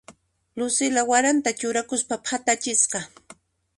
Lucila waranta churakuspa phatachisqa.